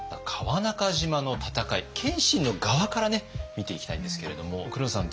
謙信の側からね見ていきたいんですけれども黒田さん